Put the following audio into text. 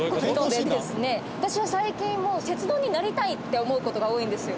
私は最近もう鉄道になりたいって思う事が多いんですよ。